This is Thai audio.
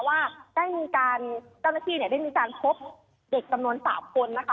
ว่าตั้งแต่ที่ได้มีการพบเด็กสำนวน๓คนนะคะ